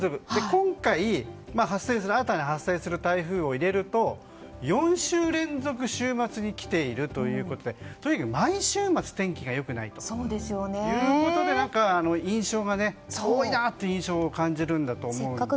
今回、新たに発生する台風を入れると４週連続週末に来ているということでとにかく毎週末天気が良くないということで何か、多いなという印象を感じるんだと思います。